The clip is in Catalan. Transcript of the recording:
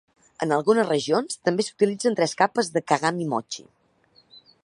En algunes regions, també s'utilitzen tres capes de 'kagami mochi'.